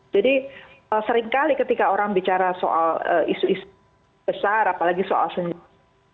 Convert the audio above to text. jadi seringkali ketika orang bicara soal isu isu besar apalagi soal senjata